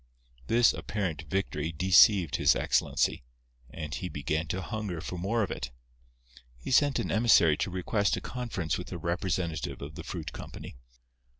This apparent victory deceived His Excellency; and he began to hunger for more of it. He sent an emissary to request a conference with a representative of the fruit company.